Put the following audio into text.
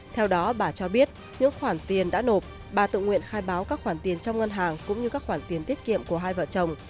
theo đó bà cho biết nếu khoản tiền đã nộp bà tự nguyện khai báo các khoản tiền trong ngân hàng cũng như các khoản tiền tiết kiệm của hai vợ chồng